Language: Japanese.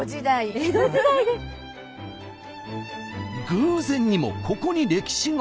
偶然にもここに歴史が。